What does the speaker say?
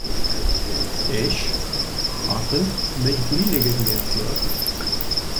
Êş, aqil mecbûrî lêgerînê dike.